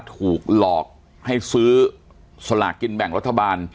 สลากกิลแบ่งรัฐบาล